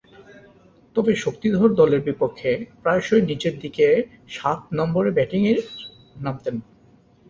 তবে, শক্তিধর দলের বিপক্ষে প্রায়শই নিচেরদিকে সাত নম্বরে ব্যাটিংয়ের নামতেন।